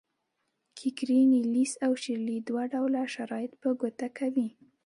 کیکیري، نیلیس او شیرلي دوه ډوله شرایط په ګوته کوي.